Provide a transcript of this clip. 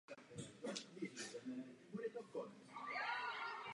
Narodil se v Parmě a základní hudební získal ve svém rodném městě.